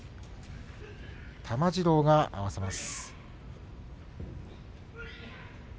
玉治郎が合わせます。